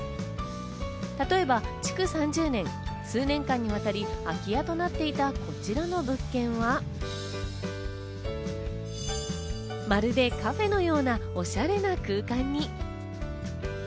例えば築３０年、数年間にわたり空き家となっていたこちらの物件は、まるでカフェのような、おしゃれな空間に。